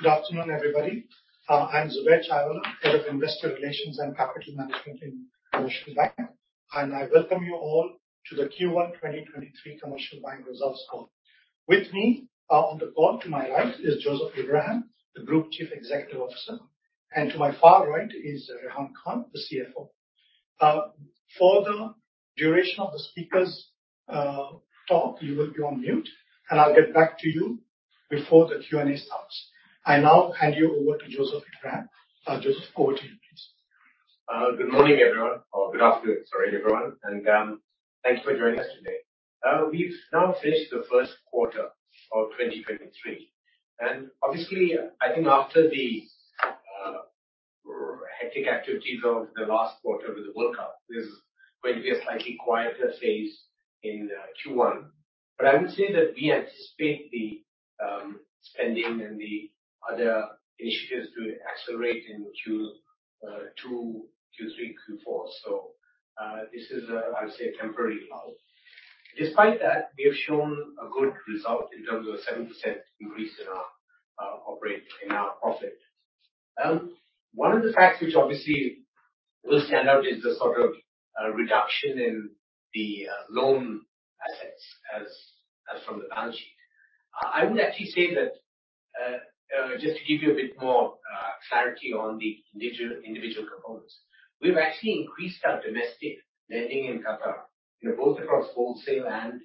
Good afternoon, everybody. I'm Zubair Chaiwalla, Head of Investor Relations and Capital Management in Commercial Bank. I welcome you all to the Q1 2023 Commercial Bank Results Call. With me, on the call to my right is Joseph Abraham, the Group Chief Executive Officer. To my far right is Rehan Khan, the CFO. For the duration of the speakers' talk, you will be on mute. I'll get back to you before the Q&A starts. I now hand you over to Joseph Abraham. Joseph, over to you please. Good morning, everyone. Or good afternoon, sorry, everyone, and thank you for joining us today. We've now finished the first quarter of 2023, and obviously, I think after the hectic activities of the last quarter with the World Cup is going to be a slightly quieter phase in Q1. I would say that we anticipate the spending and the other initiatives to accelerate in Q2, Q3, Q4. This is a, I would say, a temporary lull. Despite that, we have shown a good result in terms of a 7% increase in our profit. One of the facts which obviously will stand out is the sort of reduction in the loan assets as from the balance sheet. I would actually say that, just to give you a bit more clarity on the individual components, we've actually increased our domestic lending in Qatar, you know, both across wholesale and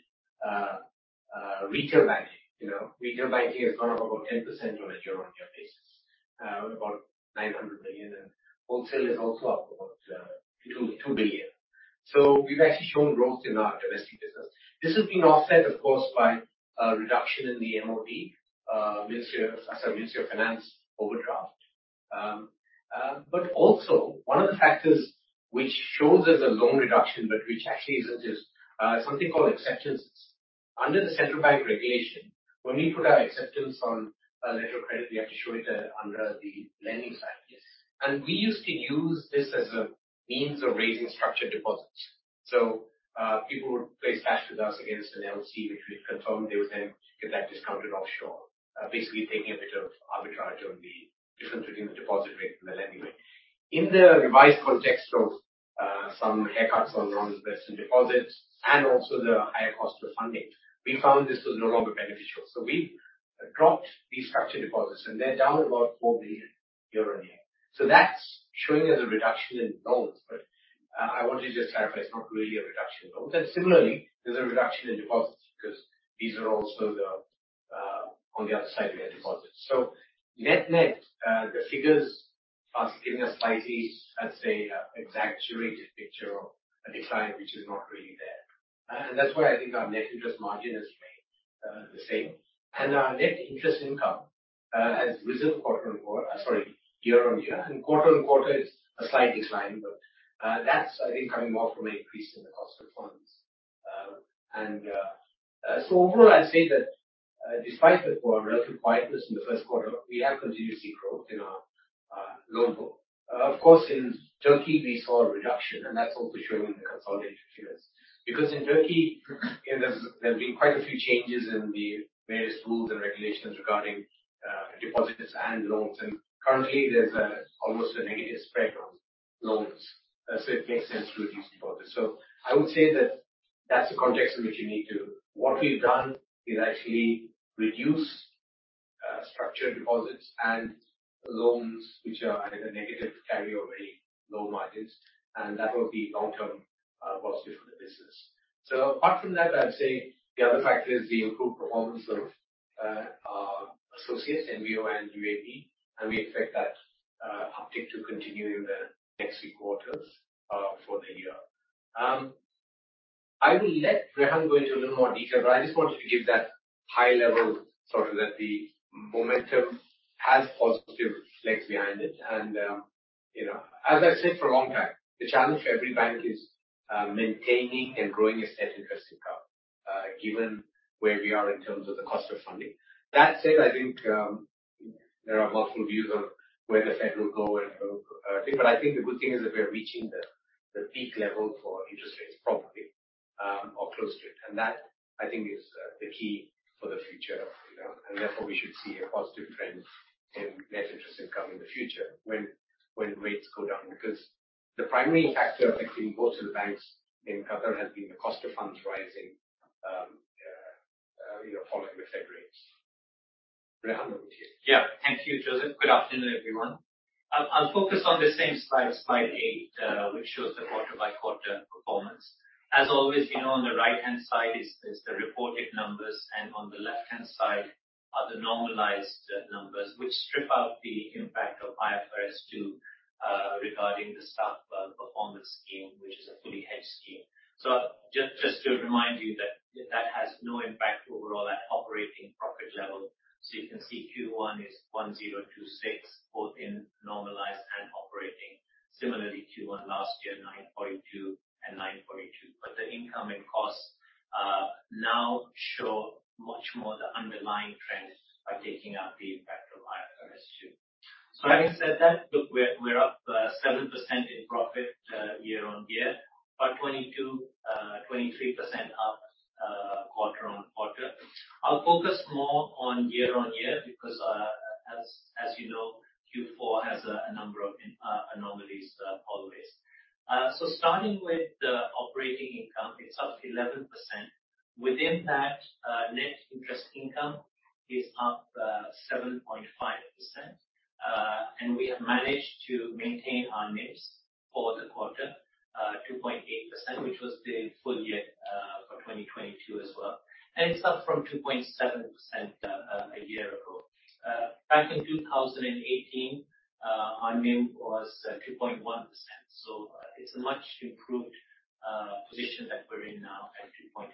retail banking. You know, retail banking has gone up about 10% on a year-on-year basis, about 900 billion, and wholesale is also up about 2 billion. We've actually shown growth in our domestic business. This has been offset, of course, by a reduction in the MoF, Ministry of Finance overdraft. Also one of the factors which shows there's a loan reduction, but which actually isn't is something called acceptances. Under the Central Bank regulation, when we put our acceptance on a letter of credit, we have to show it under the lending side. Yes. We used to use this as a means of raising structured deposits. People would place cash with us against an LC, which we'd confirm. They would then get that discounted offshore, basically taking a bit of arbitrage on the difference between the deposit rate and the lending rate. In the revised context of some haircuts on non-interest deposits and also the higher cost of funding, we found this was no longer beneficial. We dropped these structured deposits, and they're down about 4 billion year-on-year. That's showing as a reduction in loans, but I want to just clarify it's not really a reduction in loans. Similarly, there's a reduction in deposits because these are also the on the other side of their deposits. Net-net, the figures are giving a slightly, I'd say, exaggerated picture of a decline which is not really there. That's why I think our net interest margin has remained the same. Our net interest income has risen quarter-on-quarter, sorry, year-on-year. Quarter-on-quarter it's a slight decline, but that's, I think, coming more from an increase in the cost of funds. Overall, I'd say that despite the relative quietness in the first quarter, we have continued to see growth in our loan book. Of course, in Turkey we saw a reduction, and that's also shown in the consolidated figures. In Turkey, you know, there's been quite a few changes in the various rules and regulations regarding deposits and loans. Currently there's almost a negative spread on loans. It makes sense to reduce deposits. I would say that that's the context in which what we've done is actually reduce structured deposits and loans which are at a negative carry or very low margins, and that will be long-term positive for the business. Apart from that, I'd say the other factor is the improved performance of our associates, NBO and UAB, and we expect that uptick to continue in the next few quarters for the year. I will let Rehan go into a little more detail, but I just wanted to give that high level, sort of that the momentum has positive legs behind it. You know, as I've said for a long time, the challenge for every bank is maintaining and growing its net interest income, given where we are in terms of the cost of funding. That said, I think, you know, there are multiple views on where the Fed will go and I think the good thing is that we're reaching the peak level for interest rates probably or close to it. That, I think, is the key for the future, you know, and therefore we should see a positive trend in net interest income in the future when rates go down. Because the primary factor between both of the banks in Qatar has been the cost of funds rising, you know, following the Fed rates. Rehan, over to you. Yeah. Thank you, Joseph. Good afternoon, everyone. I'll focus on the same slide 8, which shows the quarter-by-quarter performance. As always, you know, on the right-hand side is the reported numbers and on the left-hand side are the normalized numbers which strip out the impact of IFRS 2 regarding the staff performance scheme which is a fully hedged scheme. Just to remind you that that has no impact overall at operating profit level. You can see Q1 is 1,026 both in normalized and operating. Similarly, Q1 last year, 9.2 and 9.2. The income and costs now show much more the underlying trends by taking out the impact of IFRS 2. Having said that, look, we're up 7% in profit year-on-year. Up 22, 23% up quarter-on-quarter. I'll focus more on year-on-year because, as you know, Q4 has a number of anomalies always. Starting with the operating income, it's up 11%. Within that, net interest income is up 7.5%. We have managed to maintain our NIMs for the quarter, 2.8%, which was the full year for 2022 as well. It's up from 2.7% a year ago. Back in 2018, our NIM was 2.1%, it's a much improved position that we're in now at 2.8%.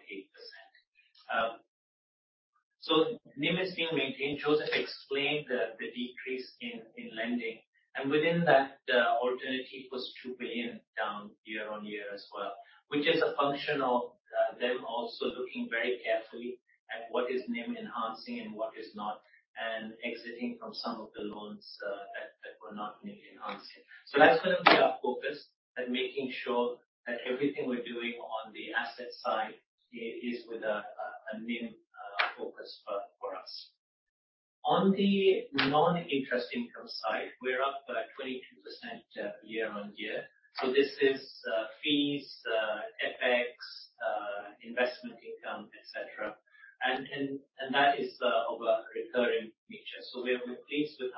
NIM is being maintained. Joseph explained the decrease in lending, within that, Alternatif was 2 billion down year-on-year as well, which is a function of, them also looking very carefully at what is NIM enhancing and what is not, and exiting from some of the loans, that were not NIM enhancing. That's gonna be our focus at making sure that everything we're doing on the asset side is with a NIM focus for us. On the non-interest income side, we're up, 22%, year-on-year. This is, fees, CapEx, investment income, et cetera. That is, of a recurring nature. We're, we're pleased with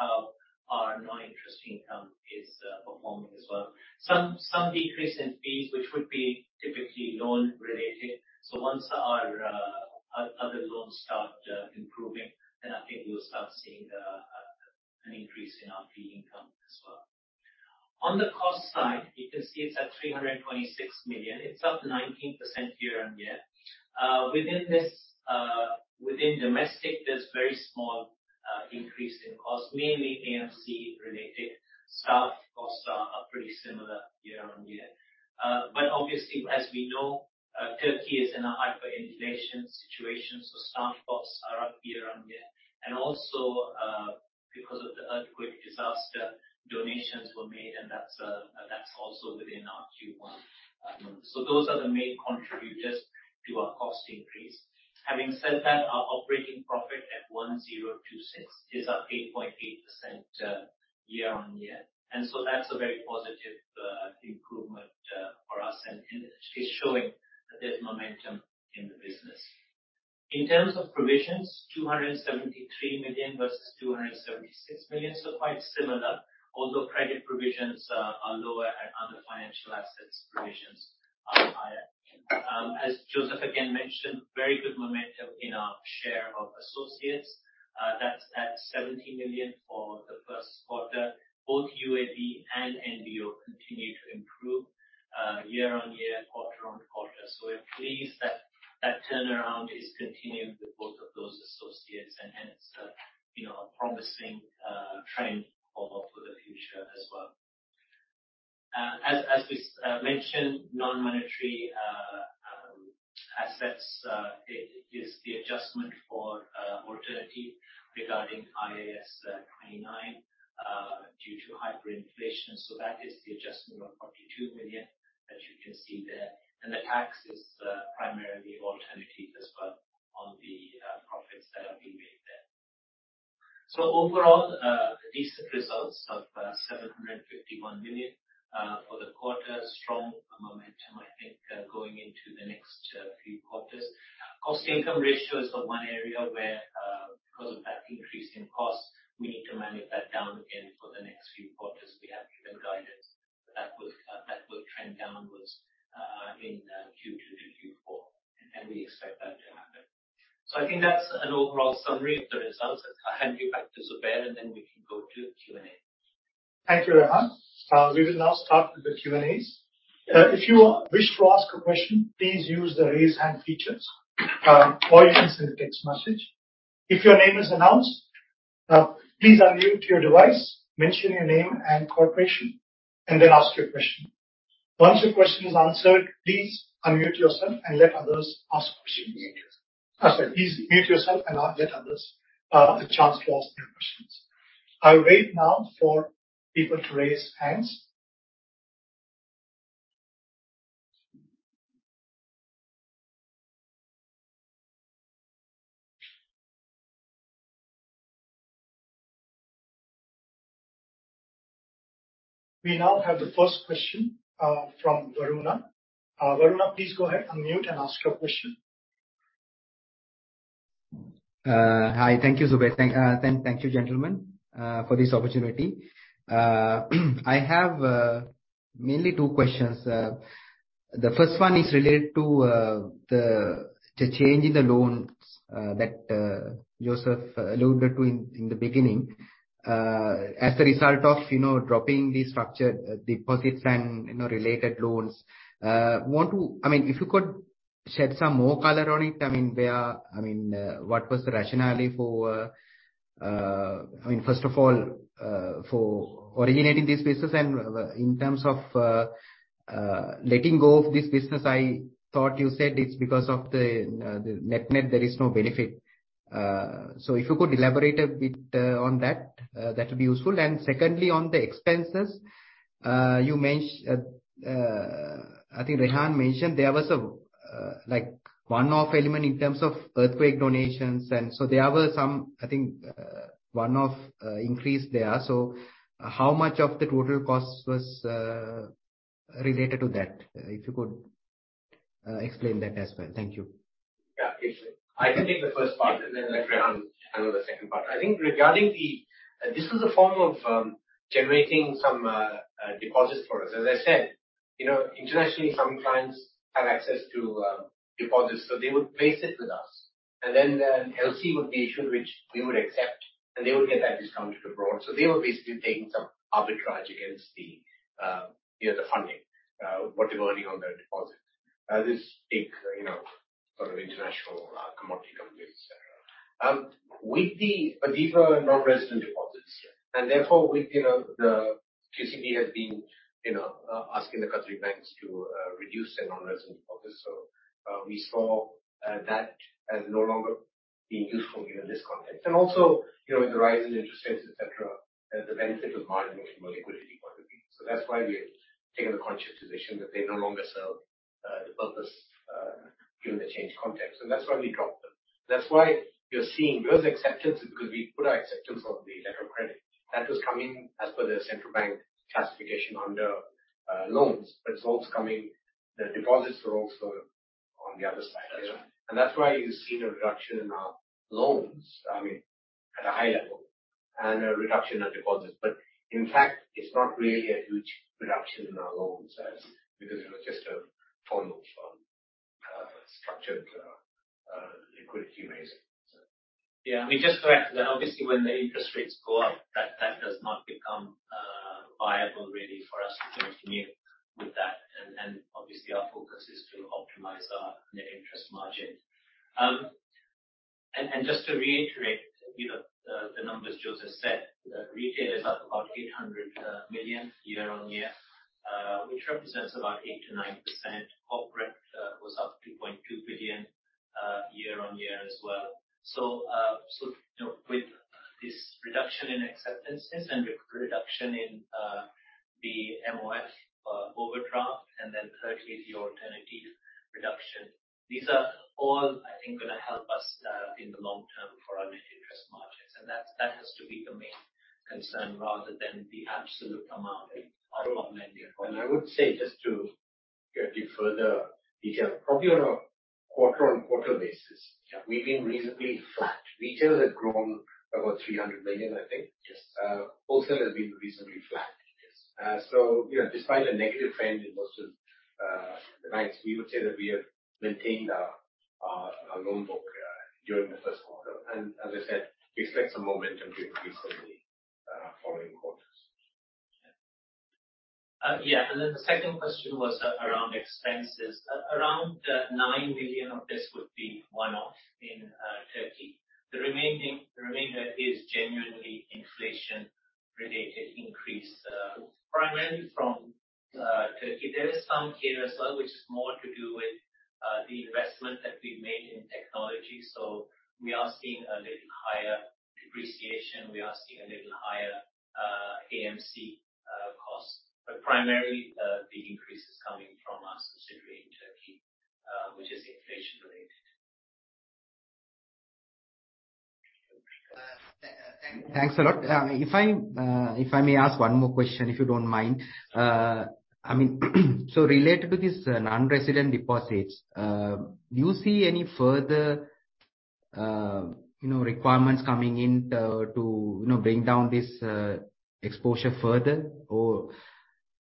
how our non-interest income is, performing as well. Some decrease in fees, which would be typically loan related. Once our other loans start improving, then I think we'll start seeing an increase in our fee income as well. On the cost side, you can see it's at 326 million. It's up 19% year-over-year. Within this, within domestic, there's very small increase in cost, mainly AMC related. Staff costs are pretty similar year-over-year. Obviously, as we know, Turkey is in a hyperinflation situation, staff costs are up year-over-year. Also, because of the earthquake disaster, donations were made, and that's also within our Q1 numbers. Those are the main contributors to our cost increase. Having said that, our operating profit at 1,026 million is up 8.8% year-on-year, and so that's a very positive improvement for us and is showing that there's momentum in the business. In terms of provisions, 273 million versus 276 million, so quite similar, although credit provisions are lower and other financial assets provisions are higher. As Joseph again mentioned, very good momentum in our share of associates. That's at 70 million for the first quarter. Both UAB and NBO continue to improve year-on-year, quarter-on-quarter. So we're pleased that that turnaround is continuing with both of those associates and it's a, you know, a promising trend for the future as well. As we mentioned, non-monetary assets is the adjustment for Alternatif regarding IAS 29 due to hyperinflation. That is the adjustment of 42 million that you can see there. The tax is primarily Alternatif as well on the profits that are being made there. Overall, decent results of 751 million for the quarter. Strong momentum, I think, going into the next few quarters. cost-to-income ratio is the one area where, because of that increase in costs, we need to manage that down again for the next few quarters. We have given guidance that will trend downwards in Q2 to Q4, and we expect that to happen. I think that's an overall summary of the results. I'll hand you back to Zubair, and then we can go to the Q&A. Thank you, Rehan. We will now start with the Q&As. If you wish to ask a question, please use the raise hand features, or you can send a text message. If your name is announced, please unmute your device, mention your name and corporation, and then ask your question. Once your question is answered, please unmute yourself and let others ask questions. I said please mute yourself and let others a chance to ask their questions. I'll wait now for people to raise hands. We now have the first question from Varuna. Varuna, please go ahead, unmute and ask your question. Hi. Thank you, Zubaid. Thank you, gentlemen, for this opportunity. I have mainly two questions. The first one is related to the change in the loans that Joseph alluded to in the beginning. As a result of, you know, dropping the structured deposits and, you know, related loans, I mean, if you could shed some more color on it. I mean, where, I mean, what was the rationale for, I mean, first of all, for originating this business and in terms of letting go of this business, I thought you said it's because of the net-net, there is no benefit. If you could elaborate a bit on that would be useful. Secondly, on the expenses, I think Rehan mentioned there was a like one-off element in terms of earthquake donations. There were some, I think, one-off increase there. How much of the total cost was related to that? If you could explain that as well. Thank you. Yeah. I can take the first part and then let Rehan handle the second part. I think regarding the. This was a form of generating some deposits for us. As I said, you know, internationally, some clients have access to deposits, so they would place it with us. An LC would be issued, which we would accept, and they would get that discount abroad. They were basically taking some arbitrage against the, you know, the funding what they're earning on their deposit. This take, you know, sort of international commodity companies. With the deeper non-resident deposits, and therefore with, you know, the QCB has been, you know, asking the country banks to reduce their non-resident deposits. We saw that as no longer being useful, you know, in this context. Also, you know, with the rise in interest rates, et cetera, the benefit of margin is more liquidity point of view. That's why we have taken the conscious decision that they no longer serve the purpose given the changed context. That's why we dropped them. That's why you're seeing those acceptances because we put our acceptance of the letter of credit. That was coming as per the Central Bank classification under loans, but the deposits were also on the other side. That's right. That's why you've seen a reduction in our loans, I mean, at a high level, and a reduction in deposits. In fact, it's not really a huge reduction in our loans because it was just a form of structured liquidity raising. Yeah. I mean, just to add to that, obviously, when the interest rates go up, that does not become viable really for us to, you know, continue with that. Obviously our focus is to optimize our net interest margin. Just to reiterate, you know, the numbers Joseph said, the retail is up about 800 million year-on-year, which represents about 8%-9%. Corporate was up 3.2 billion year-on-year as well. You know, with this reduction in acceptances and the reduction in the MoF overdraft, and then thirdly, the alternative reduction, these are all, I think, gonna help us in the long term for our net interest margins. That has to be the main concern rather than the absolute amount year-on-year. I would say, just to get a bit further detail, probably on a quarter-on-quarter basis. Yeah. we've been reasonably flat. Retail has grown about 300 million, I think. Yes. Wholesale has been reasonably flat. Yes. You know, despite a negative trend in most of the banks, we would say that we have maintained our loan book during the first quarter. As I said, we expect some momentum to increase in the following quarters. Yeah. Yeah. Then the second question was around expenses. Around 9 million of this would be one-off in Turkey. The remainder is genuinely inflation-related increase, primarily from Turkey. There is some here as well, which is more to do with the investment that we've made in technology. So we are seeing a little higher depreciation, we are seeing a little higher AMC costs. Primarily, the increase is coming from us, specifically in Turkey, which is inflation related. Thanks a lot. If I, if I may ask one more question, if you don't mind. I mean, related to this non-resident deposits, do you see any further, you know, requirements coming in, to, you know, bring down this exposure further or,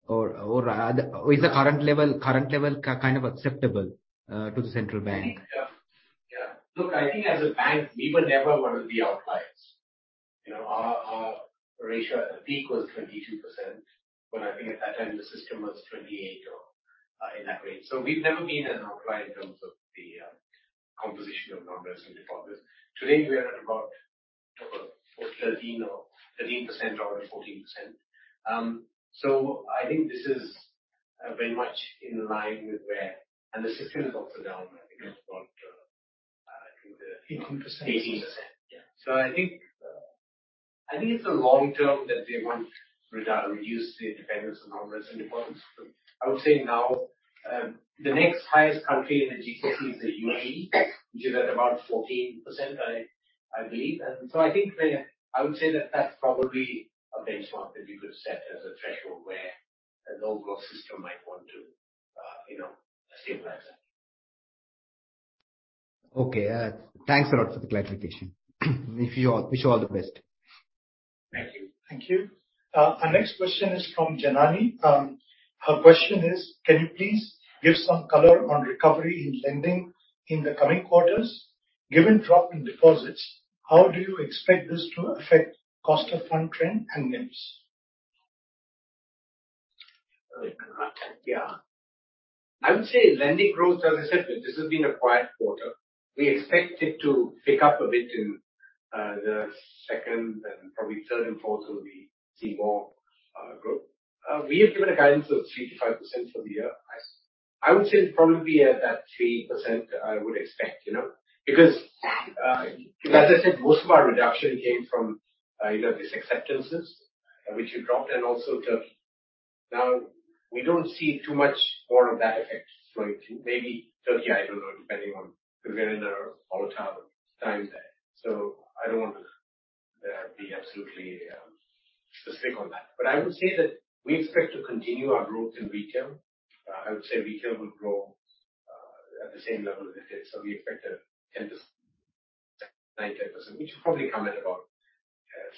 or is the current level kind of acceptable to the Central Bank? Yeah. Yeah. Look, I think as a bank, we were never one of the outliers. You know, our ratio at the peak was 22%, but I think at that time the system was 28% or in that range. We've never been an outlier in terms of the composition of non-resident deposits. Today, we are about 13% or 14%. I think this is very much in line with where. The system is also down. 18%. 18%. Yeah. I think it's the long term that they want to reduce the dependence on non-resident deposits. I would say now, the next highest country in the GCC is the UAE, which is at about 14%, I believe. I would say that that's probably a benchmark that you could set as a threshold where an overall system might want to, you know, stabilize that. Thanks a lot for the clarification. Wish you all the best. Thank you. Thank you. Our next question is from Janani. Her question is, can you please give some color on recovery in lending in the coming quarters? Given drop in deposits, how do you expect this to affect cost of fund trend and NIMs? Yeah. I would say lending growth, as I said, this has been a quiet quarter. We expect it to pick up a bit in the second and probably third and fourth will be CIMB Group. We have given a guidance of 3%-5% for the year. I would say it's probably at that 3%, I would expect, you know. Because, as I said, most of our reduction came from, you know, these acceptances which have dropped and also Turkey. We don't see too much more of that effect going to... Maybe Turkey, I don't know, depending on, because we're in a volatile time there. I don't want to be absolutely specific on that. I would say that we expect to continue our growth in retail. I would say retail will grow at the same level as it is. We expect a 10 to 9, 10%, which will probably come at about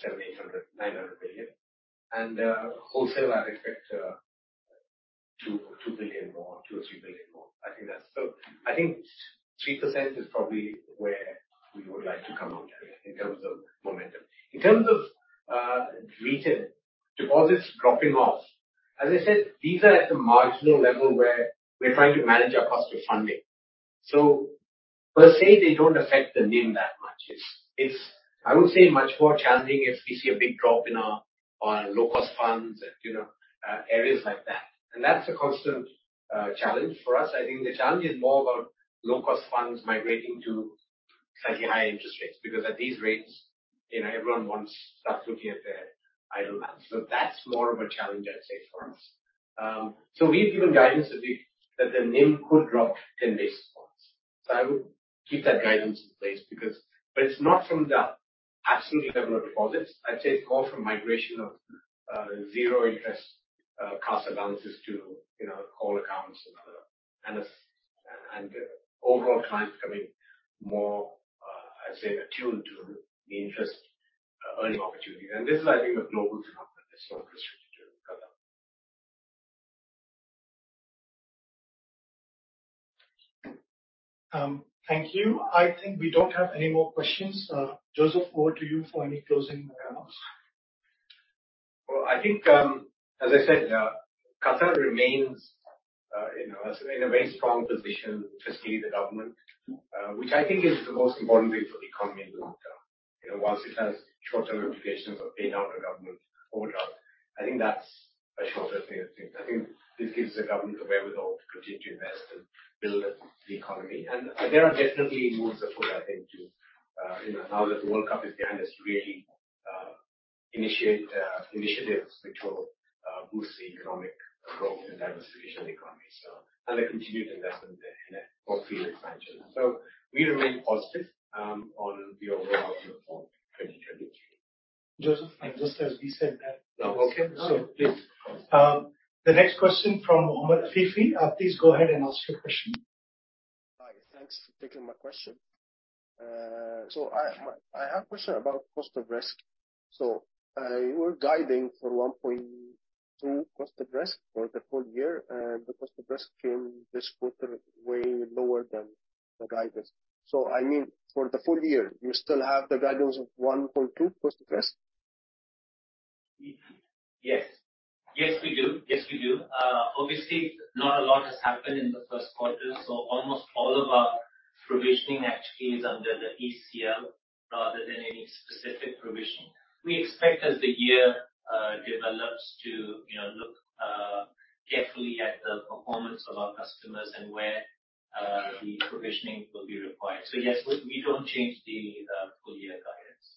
700 million-900 million. Wholesale, I'd expect 2 billion-3 billion more. I think 3% is probably where we would like to come out in terms of momentum. In terms of retail deposits dropping off, as I said, these are at the marginal level where we're trying to manage our cost of funding. Per se, they don't affect the NIM that much. It's, I would say, much more challenging if we see a big drop in our low cost funds and, you know, areas like that. That's a constant challenge for us. I think the challenge is more about low cost funds migrating to slightly higher interest rates, because at these rates, you know, everyone wants... starts looking at their idle amounts. That's more of a challenge, I'd say, for us. We've given guidance that the NIM could drop 10 basis points. I would keep that guidance in place because... It's not from the absolute level of deposits. I'd say it's more from migration of, zero interest, cost advances to, you know, call accounts and other... As, and overall clients becoming more, I'd say, attuned to the interest, earning opportunity. This is, I think, a global phenomenon. It's not restricted to Qatar. Thank you. I think we don't have any more questions. Joseph, over to you for any closing remarks. Well, I think, as I said, Qatar remains, you know, as in a very strong position, particularly the government, which I think is the most important thing for the economy in the long term. You know, whilst it has short-term implications of paying out a government overdraft, I think that's a shorter term thing. I think this gives the government the wherewithal to continue to invest and build the economy. There are definitely moves afoot, I think, to, you know, now that the World Cup is behind us, to really initiate initiatives which will boost the economic growth and diversification of the economy. A continued investment in oil field expansion. We remain positive on the overall outlook for 2023. Joseph, just as we said that. No. Okay. Please. The next question from Omar Afifi. Please go ahead and ask your question. Hi. Thanks for taking my question. I have a question about cost of risk. You were guiding for 1.2% cost of risk for the full year, and the cost of risk came this quarter way lower than the guidance. I mean, for the full year, you still have the guidance of 1.2% cost of risk? Yes. Yes, we do. Yes, we do. Obviously, not a lot has happened in the first quarter, so almost all of our provisioning actually is under the ECL rather than any specific provision. We expect, as the year develops to, you know, look carefully at the performance of our customers and where the provisioning will be required. Yes, we don't change the full year guidance.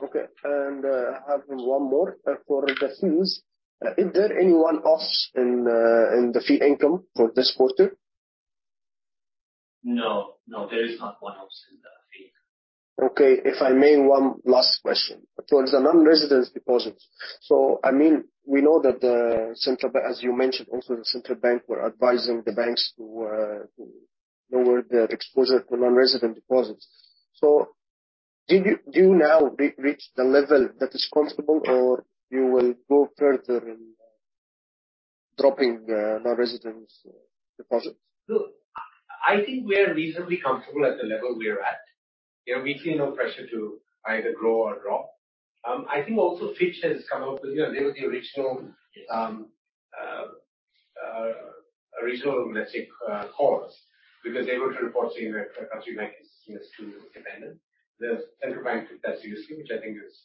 Okay. I have one more. For the fees, is there any one-offs in the fee income for this quarter? No. No, there is not one-offs in the fee income. Okay. If I may, one last question. Towards the non-residents deposits. I mean, we know that the Central Bank, as you mentioned, also the Central Bank were advising the banks to lower their exposure to non-resident deposits. Do you now re-reach the level that is comfortable or you will go further in dropping non-residents deposits? No. I think we are reasonably comfortable at the level we are at. You know, we see no pressure to either grow or drop. I think also Fitch has come out with, you know, they were the original, let's say, cause because they were to report, say, a country like this is too dependent. The Central Bank took that seriously, which I think is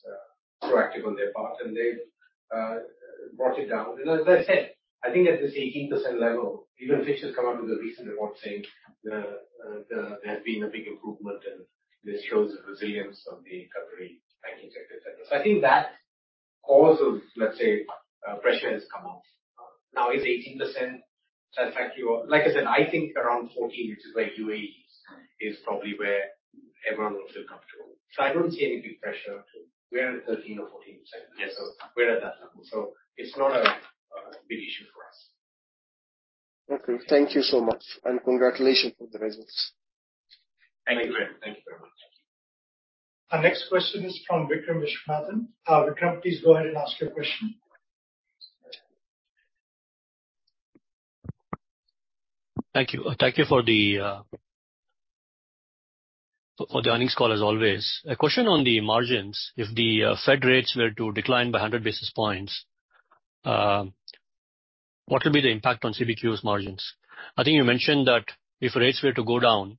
proactive on their part, and they brought it down. You know, as I said, I think at this 18% level, even Fitch has come out with a recent report saying there's been a big improvement, and this shows the resilience of the country banking sector etcetera. I think that cause of, let's say, pressure has come out. Now, is 18% satisfactory or... Like I said, I think around 14, which is where UAE is probably where everyone will feel comfortable. I don't see any big pressure. We are at 13% or 14%. Yes. We're at that level. It's not a big issue for us. Okay. Thank you so much. Congratulations on the results. Thank you. Thank you. Thank you very much. Our next question is from Vikram Viswanathan. Vikram, please go ahead and ask your question. Thank you. Thank you for the for the earnings call as always. A question on the margins. If the Fed rates were to decline by 100 basis points. What will be the impact on CBQ's margins? I think you mentioned that if rates were to go down,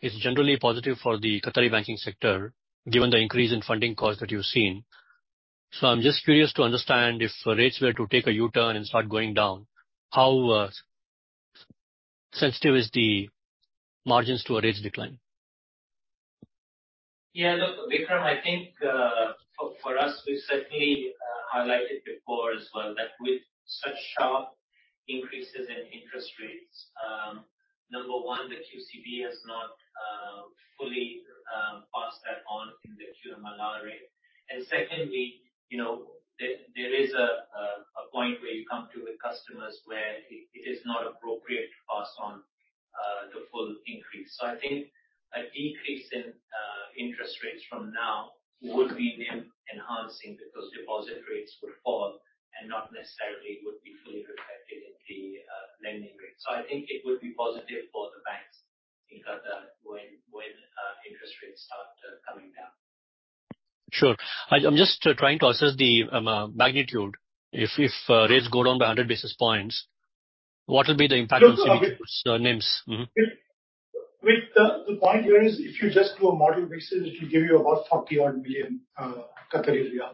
it's generally positive for the Qatari banking sector, given the increase in funding costs that you've seen. I'm just curious to understand if rates were to take a U-turn and start going down, how sensitive is the margins to a rates decline? Yeah. Look, Vikram, I think for us, we certainly highlighted before as well that with such sharp increases in interest rates, number one, the QCB has not fully passed that on in the QMR loan rate. Secondly, you know, there is a point where you come to with customers where it is not appropriate to pass on the full increase. I think a decrease in interest rates from now would be then enhancing because deposit rates would fall and not necessarily would be fully reflected in the lending rates. I think it would be positive for the banks in Qatar when interest rates start coming down. Sure. I'm just trying to assess the magnitude. If rates go down by 100 basis points, what will be the impact? Just on- on CBQ's, NIMs? Mm-hmm. The point here is if you just do a model basis, it will give you about 40 odd billion. The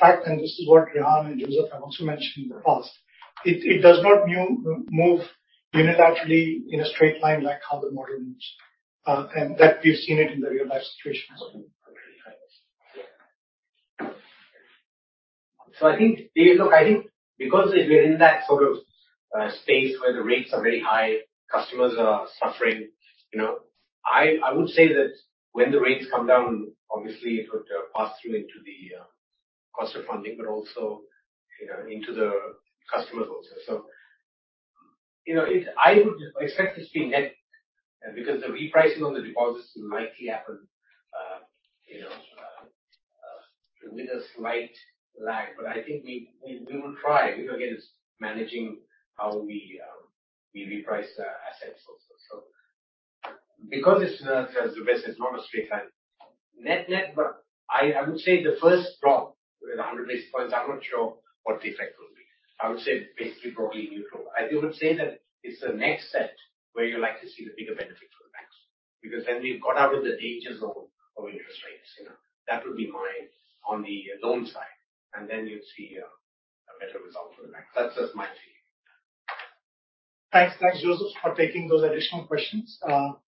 fact, and this is what Rehan and Joseph have also mentioned in the past, it does not move unilaterally in a straight line like how the model moves, and that we've seen it in the real life situations. I think, you know, I think because if we're in that sort of space where the rates are very high, customers are suffering, you know, I would say that when the rates come down, obviously it would pass through into the cost of funding, but also, you know, into the customers also. You know, I would expect this to be net because the repricing on the deposits might happen, you know, with a slight lag. I think we, we will try. You know, again, it's managing how we reprice assets also. Because it's as Rajesh said, it's not a straight line. Net, net, but I would say the first drop with 100 basis points, I'm not sure what the effect will be. I would say basically probably neutral. I would say that it's the next set where you'll likely see the bigger benefit for the banks, because we've got out of the danger zone of interest rates, you know. That would be on the loan side, you'd see a better result for the banks. That's my view. Thanks. Thanks, Joseph, for taking those additional questions.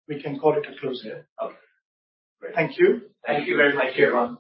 We can call it a close here. Okay. Great. Thank you. Thank you very much, everyone.